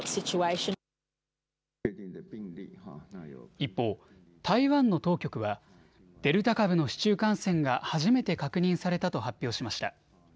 一方、台湾の当局はデルタ株の市中感染が初めて確認されたと発表しました。